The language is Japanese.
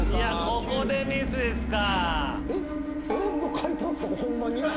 ここでミスですか。